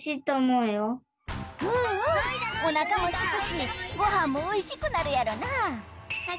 うんうんおなかもすくしごはんもおいしくなるやろな。